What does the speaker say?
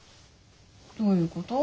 どういうこと？